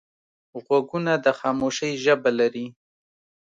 غوږونه د خاموشۍ ژبه لري